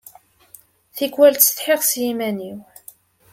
Tikwal ttsetḥiɣ s yiman-iw.